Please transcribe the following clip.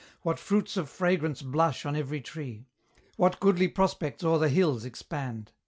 What fruits of fragrance blush on every tree! What goodly prospects o'er the hills expand!